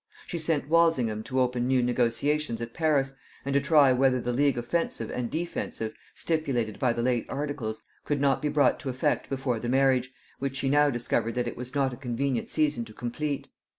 She sent Walsingham to open new negotiations at Paris, and to try whether the league offensive and defensive, stipulated by the late articles, could not be brought to effect before the marriage, which she now discovered that it was not a convenient season to complete.